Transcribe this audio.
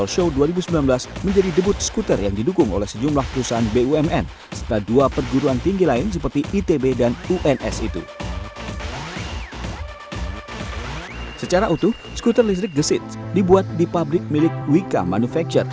sekuter listrik gesits dibuat di pabrik milik wika manufacture